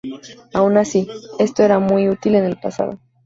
Aun así, esto era muy útil en el pasado.